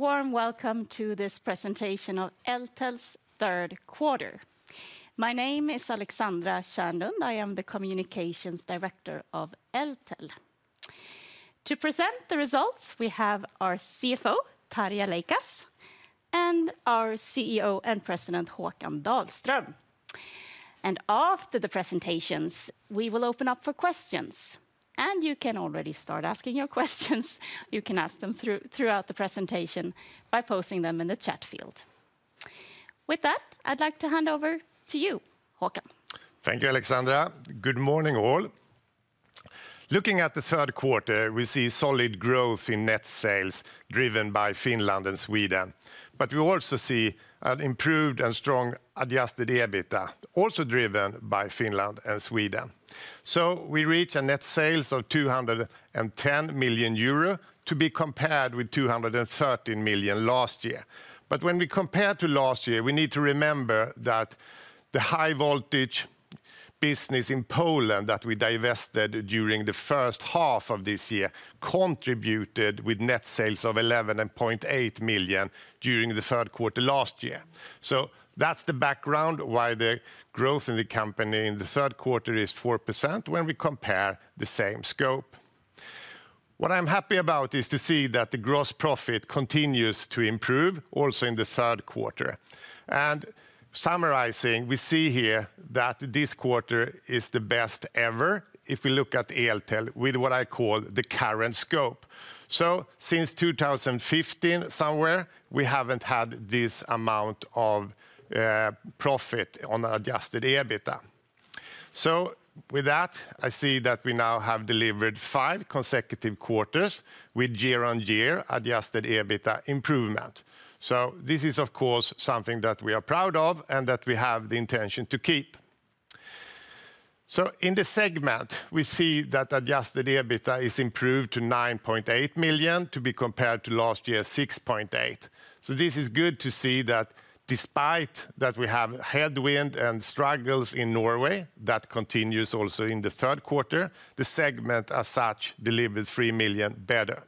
Warm welcome to this presentation of Eltel's Q3. My name is Alexandra Kärnlund. I am the Communications Director of Eltel. To present the results, we have our CFO, Tarja Leikas, and our CEO and President, Håkan Dahlström, and after the presentations, we will open up for questions, and you can already start asking your questions. You can ask them throughout the presentation by posting them in the chat field. With that, I'd like to hand over to you, Håkan. Thank you, Alexandra. Good morning, all. Looking at the Q3, we see solid growth in net sales driven by Finland and Sweden. But we also see an improved and strong Adjusted EBITDA, also driven by Finland and Sweden. So we reach net sales of 210 million euro to be compared with 213 million last year. But when we compare to last year, we need to remember that the high-voltage business in Poland that we divested during the first half of this year contributed with net sales of 11.8 million during the Q3 last year. So that's the background why the growth in the company in the Q3 is 4% when we compare the same scope. What I'm happy about is to see that the gross profit continues to improve also in the Q3. Summarizing, we see here that this quarter is the best ever if we look at Eltel with what I call the current scope. So since 2015, somewhere, we haven't had this amount of profit on Adjusted EBITDA. So with that, I see that we now have delivered five consecutive quarters with year-on-year Adjusted EBITDA improvement. So this is, of course, something that we are proud of and that we have the intention to keep. So in the segment, we see that Adjusted EBITDA is improved to 9.8 million to be compared to last year's 6.8 million. So this is good to see that despite that we have headwind and struggles in Norway, that continues also in the Q3, the segment as such delivered 3 million better.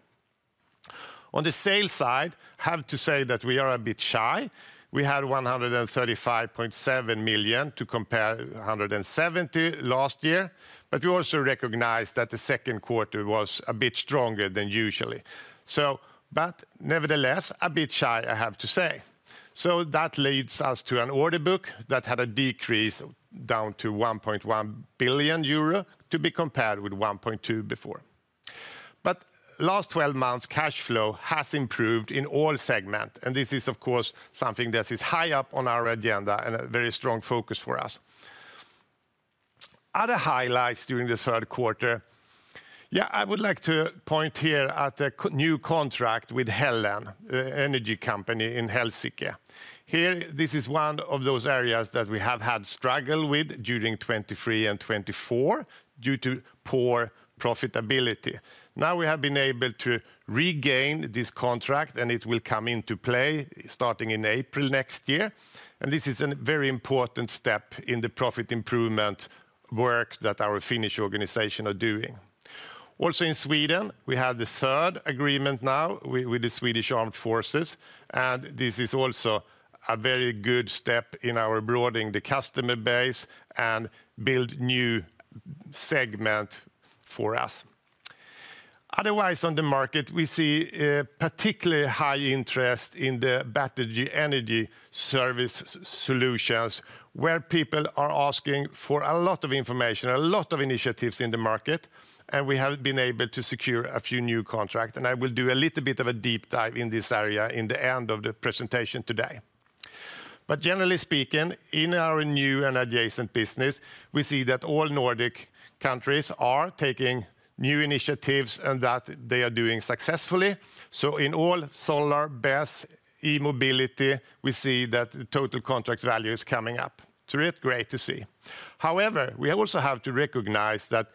On the sales side, I have to say that we are a bit shy. We had 135.7 million to compare 170 million last year. But we also recognize that the Q2 was a bit stronger than usual. So, but nevertheless, a bit shy, I have to say. So that leads us to an order book that had a decrease down to 1.1 billion euro to be compared with 1.2 billion before. But last 12 months, cash flow has improved in all segments. And this is, of course, something that is high up on our agenda and a very strong focus for us. Other highlights during the Q3, yeah, I would like to point here at a new contract with Helen, an energy company in Helsinki. Here, this is one of those areas that we have had struggle with during 2023 and 2024 due to poor profitability. Now we have been able to regain this contract, and it will come into play starting in April next year. This is a very important step in the profit improvement work that our Finnish organization is doing. Also in Sweden, we have the third agreement now with the Swedish Armed Forces. And this is also a very good step in our broadening the customer base and build new segment for us. Otherwise, on the market, we see a particularly high interest in the battery energy storage solutions, where people are asking for a lot of information, a lot of initiatives in the market. And we have been able to secure a few new contracts. And I will do a little bit of a deep dive in this area in the end of the presentation today. But generally speaking, in our new and adjacent business, we see that all Nordic countries are taking new initiatives and that they are doing successfully. So in all solar, BESS, e-mobility, we see that the total contract value is coming up. So it's great to see. However, we also have to recognize that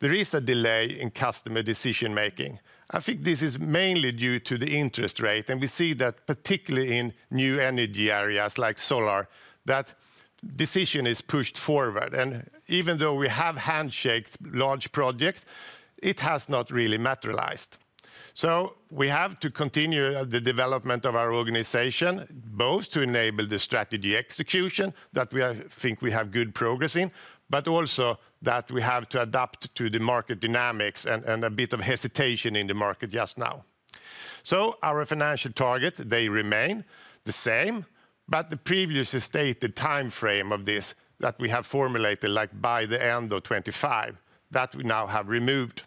there is a delay in customer decision-making. I think this is mainly due to the interest rate. And we see that particularly in new energy areas like solar, that decision is pushed forward. And even though we have handshaked large projects, it has not really materialized. So we have to continue the development of our organization, both to enable the strategy execution that we think we have good progress in, but also that we have to adapt to the market dynamics and a bit of hesitation in the market just now. So our financial targets, they remain the same, but the previously stated timeframe of this that we have formulated, like by the end of 2025, that we now have removed.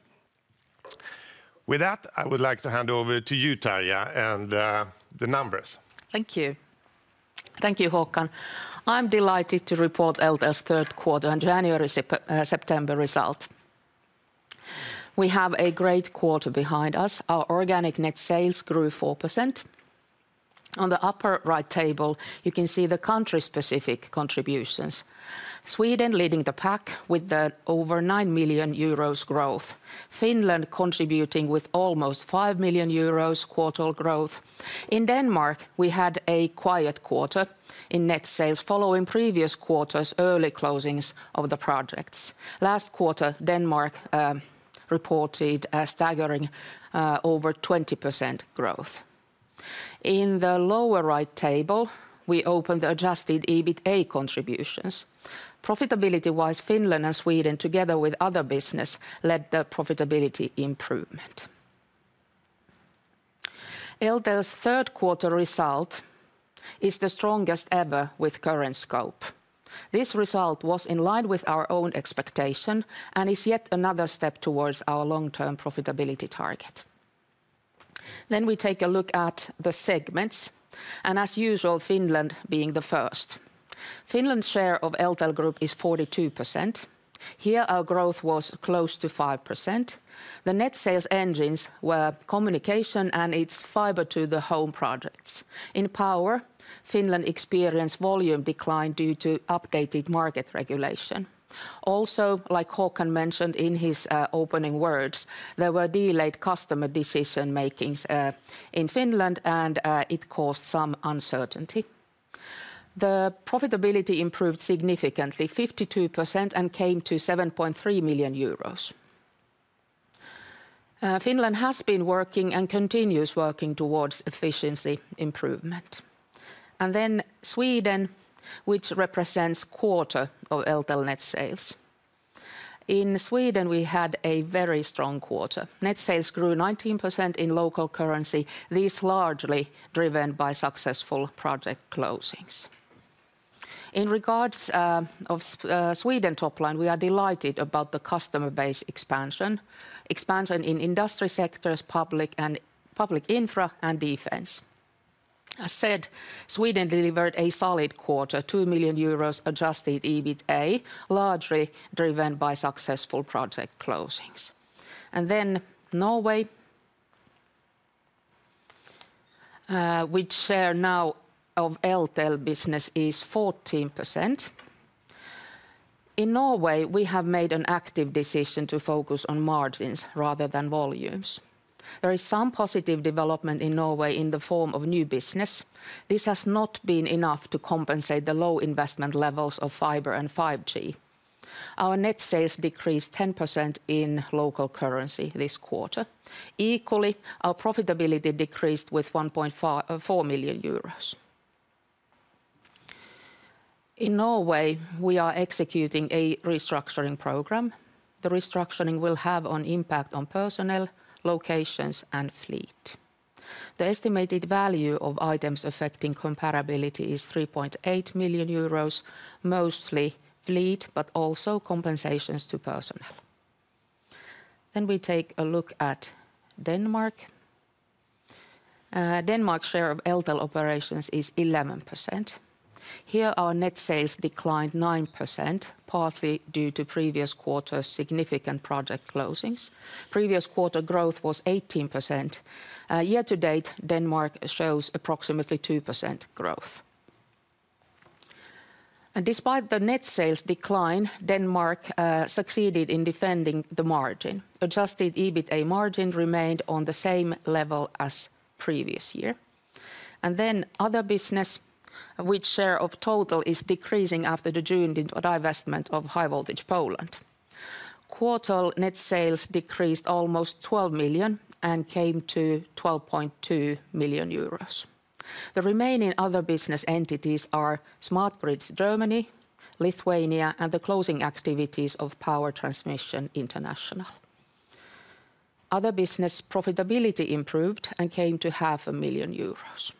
With that, I would like to hand over to you, Tarja, and the numbers. Thank you Håkan. I'm delighted to report Eltel's Q3 and January-September results. We have a great quarter behind us. Our organic net sales grew 4%. On the upper right table, you can see the country-specific contributions. Sweden leading the pack with over nine million EUR growth. Finland contributing with almost five million EUR quarter growth. In Denmark, we had a quiet quarter in net sales following previous quarter's early closings of the projects. Last quarter, Denmark reported a staggering over 20% growth. In the lower right table, we opened the adjusted EBITA contributions. Profitability-wise, Finland and Sweden, together with other business, led the profitability improvement. Eltel's Q3 result is the strongest ever with current scope. This result was in line with our own expectation and is yet another step towards our long-term profitability target, then we take a look at the segments. As usual, Finland being the first. Finland's share of Eltel Group is 42%. Here, our growth was close to 5%. The net sales engines were communication and its fiber-to-the-home projects. In power, Finland experienced volume decline due to updated market regulation. Also, like Håkan mentioned in his opening words, there were delayed customer decision-makings in Finland, and it caused some uncertainty. The profitability improved significantly, 52%, and came to 7.3 million euros. Finland has been working and continues working towards efficiency improvement. Then Sweden, which represents a quarter of Eltel net sales. In Sweden, we had a very strong quarter. Net sales grew 19% in local currency, this largely driven by successful project closings. In regards to Sweden top line, we are delighted about the customer base expansion in industry sectors, public infra, and defense. As said, Sweden delivered a solid quarter, 2 million euros Adjusted EBITA, largely driven by successful project closings. And then Norway, which share now of Eltel business is 14%. In Norway, we have made an active decision to focus on margins rather than volumes. There is some positive development in Norway in the form of new business. This has not been enough to compensate the low investment levels of fiber and 5G. Our net sales decreased 10% in local currency this quarter. Equally, our profitability decreased with 1.4 million euros. In Norway, we are executing a restructuring program. The restructuring will have an impact on personnel, locations, and fleet. The estimated value of items affecting comparability is 3.8 million euros, mostly fleet, but also compensations to personnel. Then we take a look at Denmark. Denmark's share of Eltel operations is 11%. Here, our net sales declined 9%, partly due to previous quarter's significant project closings. Previous quarter growth was 18%. Year to date, Denmark shows approximately 2% growth, and despite the net sales decline, Denmark succeeded in defending the margin. Adjusted EBITA margin remained on the same level as previous year, and then other business, whose share of total is decreasing after the June divestment of High Voltage Poland. Other net sales decreased almost 12 million and came to 12.2 million euros. The remaining other business entities are Smart Grids Germany, Lithuania, and the closing activities of Power Transmission International. Other business profitability improved and came to 500,000 euros.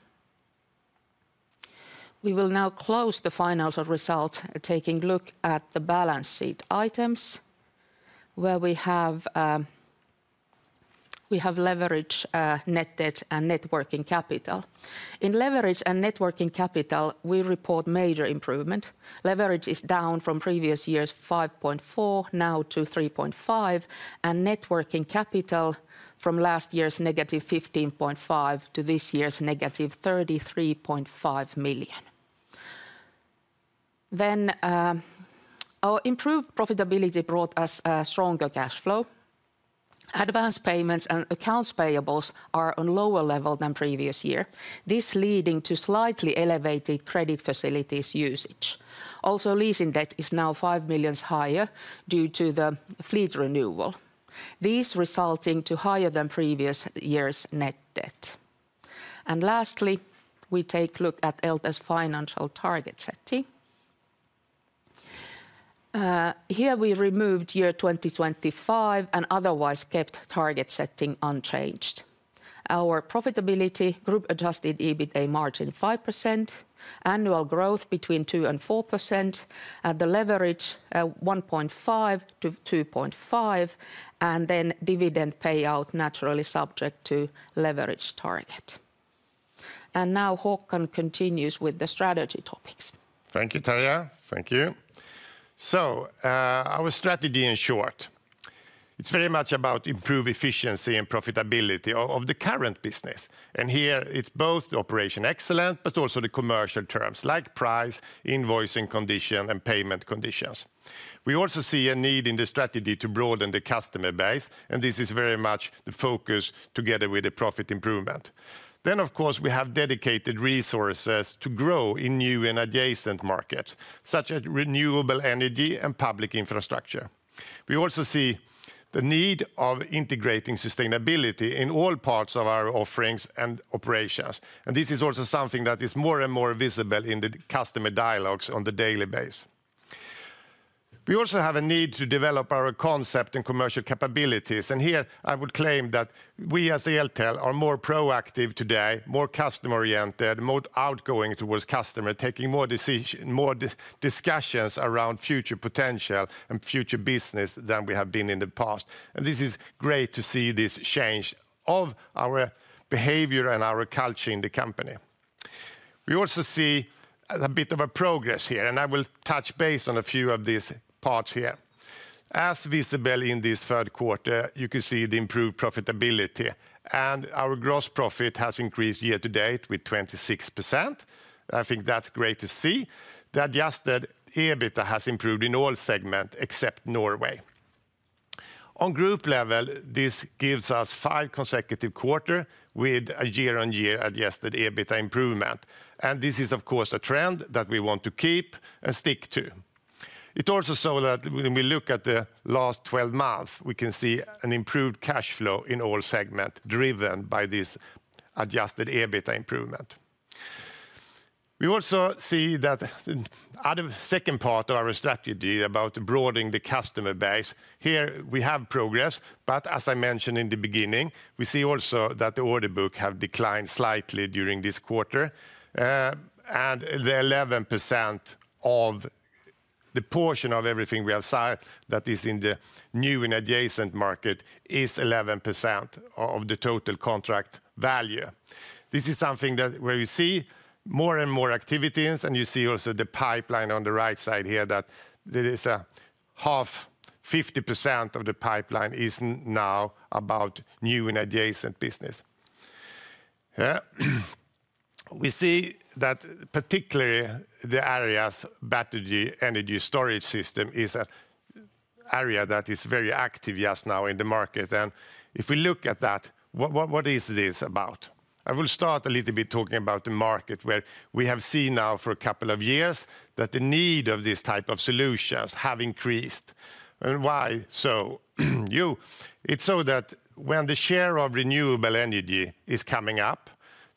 We will now close the final result, taking a look at the balance sheet items, where we have net leverage and net working capital. In net leverage and net working capital, we report major improvement. Leverage is down from previous year's 5.4 now to 3.5, and net working capital from last year's negative 15.5 million to this year's negative 33.5 million. Our improved profitability brought us stronger cash flow. Advance payments and accounts payables are on a lower level than previous year, this leading to slightly elevated credit facilities usage. Also, leasing debt is now 5 million higher due to the fleet renewal. These resulting in higher than previous year's net debt. Lastly, we take a look at Eltel's financial target setting. Here we removed year 2025 and otherwise kept target setting unchanged. Our profitability target adjusted EBITA margin 5%, annual growth between 2%-4%, and the leverage 1.5-2.5, and then dividend payout naturally subject to leverage target. Now Håkan continues with the strategy topics. Thank you, Tarja. Thank you. Our strategy in short is very much about improved efficiency and profitability of the current business. And here it's both operational excellence, but also the commercial terms like price, invoicing condition, and payment conditions. We also see a need in the strategy to broaden the customer base, and this is very much the focus together with the profit improvement. Then, of course, we have dedicated resources to grow in new and adjacent markets, such as renewable energy and public infrastructure. We also see the need of integrating sustainability in all parts of our offerings and operations. And this is also something that is more and more visible in the customer dialogues on a daily basis. We also have a need to develop our concept and commercial capabilities. And here I would claim that we as Eltel are more proactive today, more customer-oriented, more outgoing towards customers, taking more discussions around future potential and future business than we have been in the past. And this is great to see this change of our behavior and our culture in the company. We also see a bit of a progress here, and I will touch base on a few of these parts here. As visible in this Q3, you can see the improved profitability, and our gross profit has increased year to date with 26%. I think that's great to see that just that EBITA has improved in all segments except Norway. On group level, this gives us five consecutive quarters with a year-on-year adjusted EBITA improvement. And this is, of course, a trend that we want to keep and stick to. It's also so that when we look at the last 12 months, we can see an improved cash flow in all segments driven by this Adjusted EBITA improvement. We also see that the other second part of our strategy about broadening the customer base. Here we have progress, but as I mentioned in the beginning, we see also that the order book has declined slightly during this quarter, and the 11% of the portion of everything we have that is in the new and adjacent market is 11% of the total contract value. This is something that where we see more and more activities, and you see also the pipeline on the right side here that there is a half, 50% of the pipeline is now about new and adjacent business. We see that particularly the area's battery energy storage system is an area that is very active just now in the market, and if we look at that, what is this about? I will start a little bit talking about the market where we have seen now for a couple of years that the need of this type of solutions has increased, and why so? It's so that when the share of renewable energy is coming up,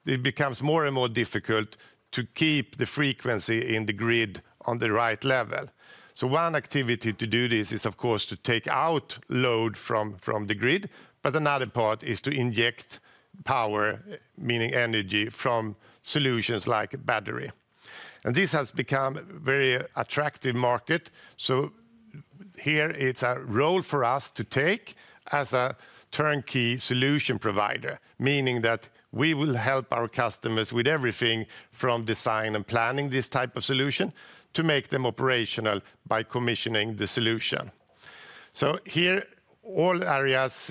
it becomes more and more difficult to keep the frequency in the grid on the right level, so one activity to do this is, of course, to take out load from the grid, but another part is to inject power, meaning energy from solutions like battery, and this has become a very attractive market. So here it's a role for us to take as a turnkey solution provider, meaning that we will help our customers with everything from design and planning this type of solution to make them operational by commissioning the solution. So here all areas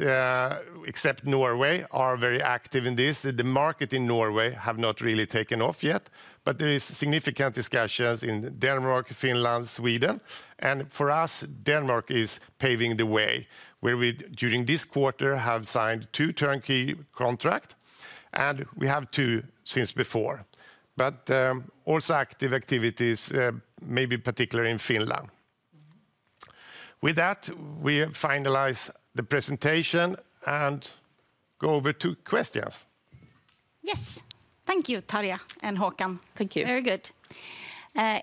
except Norway are very active in this. The market in Norway has not really taken off yet, but there are significant discussions in Denmark, Finland, Sweden. And for us, Denmark is paving the way where we during this quarter have signed two turnkey contracts, and we have two since before. But also active activities, maybe particularly in Finland. With that, we finalize the presentation and go over to questions. Yes. Thank you, Tarja and Håkan. Thank you. Very good.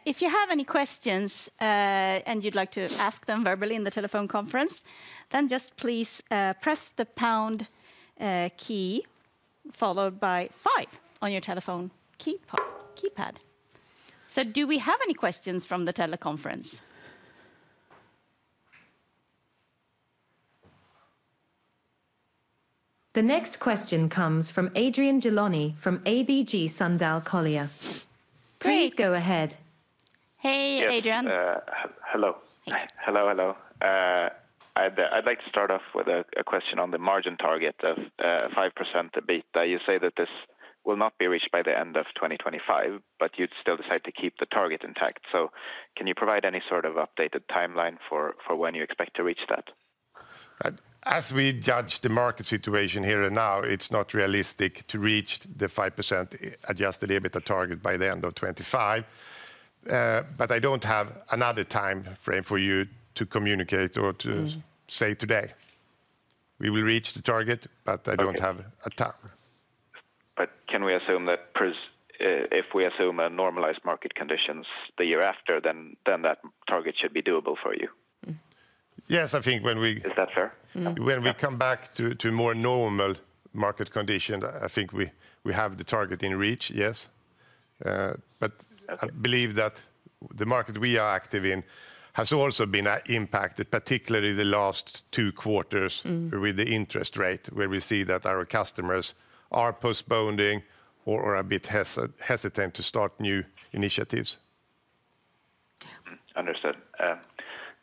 If you have any questions and you'd like to ask them verbally in the telephone conference, then just please press the pound key followed by five on your telephone keypad. So do we have any questions from the teleconference? The next question comes from Adrian Gilani from ABG Sundal Collier. Please go ahead. Hey, Adrian. Hello. I'd like to start off with a question on the margin target of 5% EBITA. You say that this will not be reached by the end of 2025, but you'd still decide to keep the target intact. So can you provide any sort of updated timeline for when you expect to reach that? As we judge the market situation here and now, it's not realistic to reach the 5% Adjusted EBITA target by the end of 2025. But I don't have another time frame for you to communicate or to say today. We will reach the target, but I don't have a time. But can we assume that if we assume normalized market conditions the year after, then that target should be doable for you? Yes, I think when we. Is that fair? When we come back to more normal market conditions, I think we have the target in reach, yes. But I believe that the market we are active in has also been impacted, particularly the last two quarters with the interest rate, where we see that our customers are postponing or are a bit hesitant to start new initiatives. Understood.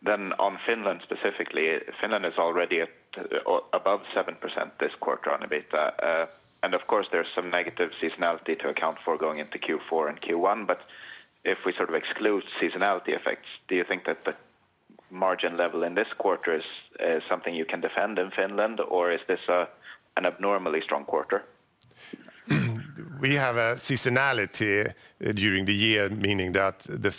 Then on Finland specifically, Finland is already above 7% this quarter on EBITDA. And of course, there's some negative seasonality to account for going into Q4 and Q1. But if we sort of exclude seasonality effects, do you think that the margin level in this quarter is something you can defend in Finland, or is this an abnormally strong quarter? We have a seasonality during the year, meaning that the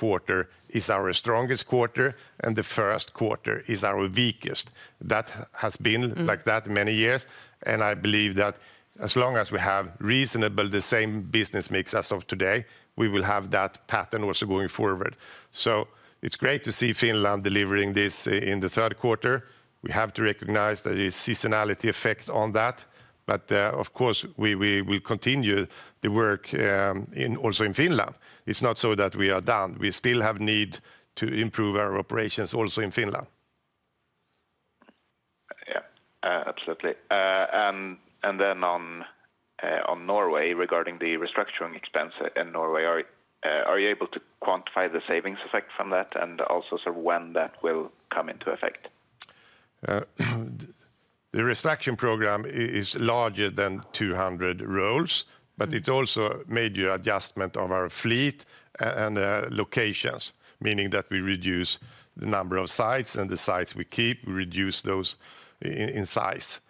Q3 is our strongest quarter and the Q1 is our weakest. That has been like that many years, and I believe that as long as we have reasonably the same business mix as of today, we will have that pattern also going forward, so it's great to see Finland delivering this in the Q3. We have to recognize that there is seasonality effect on that, but of course, we will continue the work also in Finland. It's not so that we are done. We still have a need to improve our operations also in Finland. Yeah, absolutely. And then on Norway, regarding the restructuring expense in Norway, are you able to quantify the savings effect from that and also sort of when that will come into effect? The restructuring program is larger than 200 roles, but it's also a major adjustment of our fleet and locations, meaning that we reduce the number of sites and the sites we keep. We reduce those in size.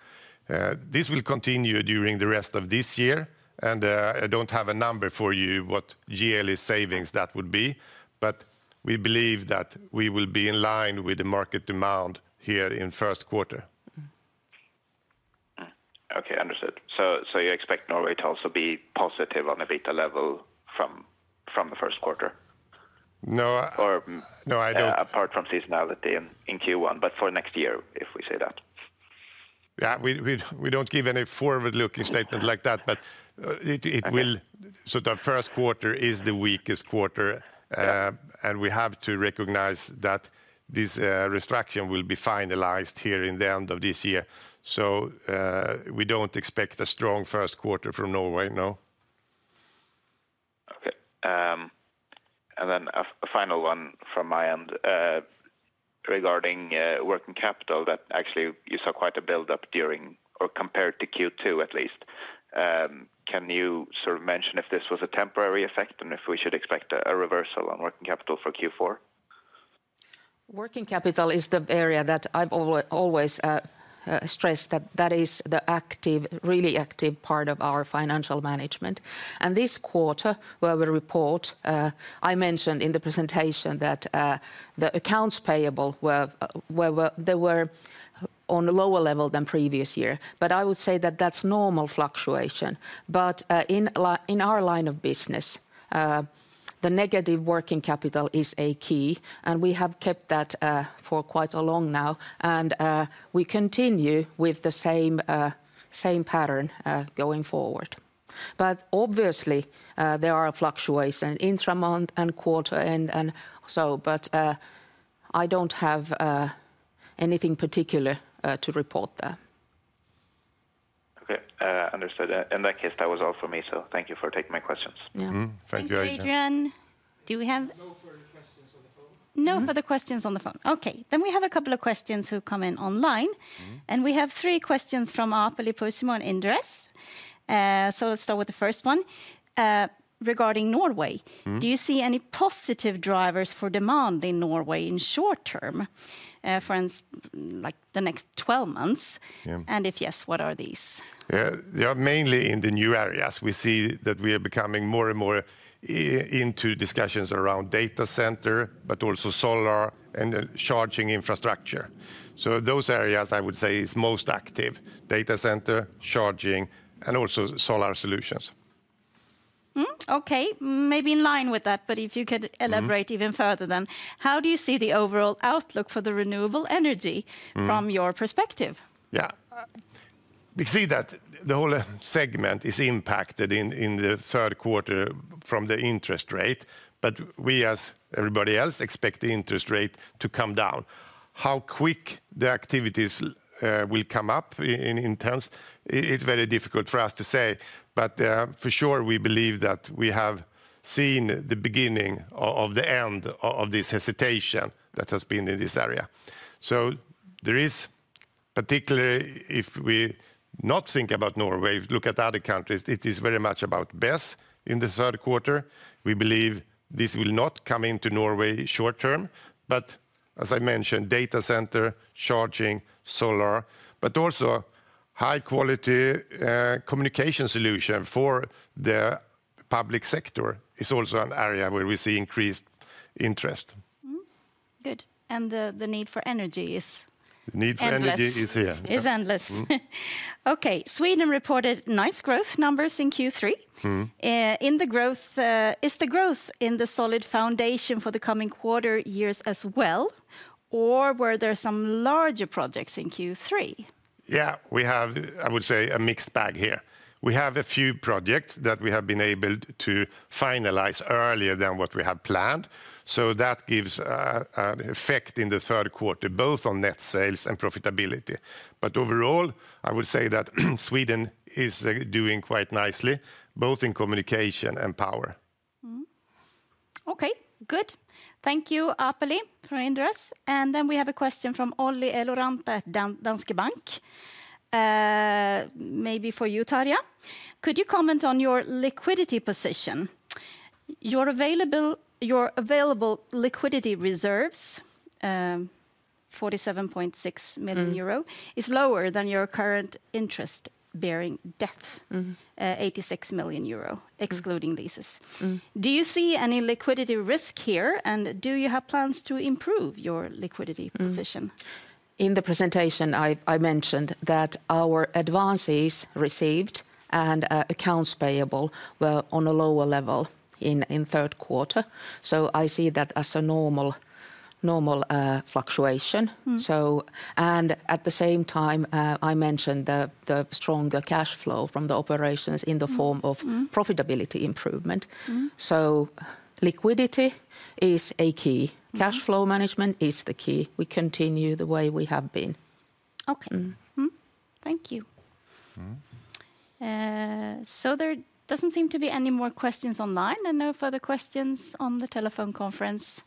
This will continue during the rest of this year. I don't have a number for you what yearly savings that would be, but we believe that we will be in line with the market demand here in Q1. Okay, understood. So you expect Norway to also be positive on EBITDA level from the Q1? No, I don't. Apart from seasonality in Q1, but for next year, if we say that. Yeah, we don't give any forward-looking statement like that, but it will sort of Q1 is the weakest quarter, and we have to recognize that this restructuring will be finalized here in the end of this year, so we don't expect a strong Q1 from Norway, no. Okay, and then a final one from my end regarding working capital, that actually you saw quite a buildup during or compared to Q2 at least. Can you sort of mention if this was a temporary effect and if we should expect a reversal on working capital for Q4? Working capital is the area that I've always stressed that that is the active, really active part of our financial management, and this quarter where we report, I mentioned in the presentation that the accounts payable were on a lower level than previous year, but I would say that that's normal fluctuation, but in our line of business, the negative working capital is a key, and we have kept that for quite a long now, and we continue with the same pattern going forward, but obviously, there are fluctuations intramonth and quarter and so, but I don't have anything particular to report there. Okay, understood. In that case, that was all for me. So thank you for taking my questions. Thank you. Adrian, do we have? No further questions on the phone. No further questions on the phone. Okay, then we have a couple of questions who come in online. And we have three questions from Aapeli Pursimo, Inderes. So let's start with the first one regarding Norway. Do you see any positive drivers for demand in Norway in short term, for instance, like the next 12 months? And if yes, what are these? Yeah, they are mainly in the new areas. We see that we are becoming more and more into discussions around data center, but also solar and charging infrastructure, so those areas I would say are most active: data center, charging, and also solar solutions. Okay, maybe in line with that, but if you could elaborate even further then, how do you see the overall outlook for the renewable energy from your perspective? Yeah, we see that the whole segment is impacted in the Q3 from the interest rate, but we, as everybody else, expect the interest rate to come down. How quick the activities will come up in this instance, it's very difficult for us to say, but for sure we believe that we have seen the beginning of the end of this hesitation that has been in this area. So there is particularly, if we not think about Norway, look at other countries, it is very much about BESS in the Q3. We believe this will not come into Norway short term, but as I mentioned, data center, charging, solar, but also high-quality communication solution for the public sector is also an area where we see increased interest. Good, and the need for energy is. The need for energy is here. It's endless. Okay, Sweden reported nice growth numbers in Q3. Is the growth in the solid foundation for the coming quarter years as well, or were there some larger projects in Q3? Yeah, we have, I would say, a mixed bag here. We have a few projects that we have been able to finalize earlier than what we had planned. So that gives an effect in the Q3, both on net sales and profitability. But overall, I would say that Sweden is doing quite nicely, both in communication and power. Okay, good. Thank you, Aapeli Pursimo. And then we have a question from Olli Eloranta at Danske Bank. Maybe for you, Tarja. Could you comment on your liquidity position? Your available liquidity reserves, 47.6 million euro, is lower than your current interest-bearing debt, 86 million euro, excluding leases. Do you see any liquidity risk here, and do you have plans to improve your liquidity position? In the presentation, I mentioned that our advances received and accounts payable were on a lower level in Q3. So I see that as a normal fluctuation. And at the same time, I mentioned the stronger cash flow from the operations in the form of profitability improvement. So liquidity is a key. Cash flow management is the key. We continue the way we have been. Okay. Thank you. So there doesn't seem to be any more questions online. And no further questions on the telephone conference.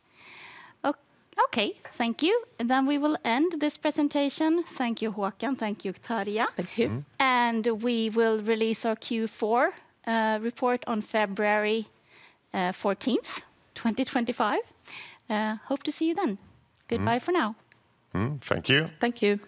Okay, thank you. Then we will end this presentation. Thank you, Håkan. Thank you, Tarja. And we will release our Q4 report on February 14th, 2025. Hope to see you then. Goodbye for now. Thank you. Thank you.